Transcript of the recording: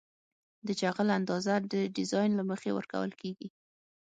د جغل اندازه د ډیزاین له مخې ورکول کیږي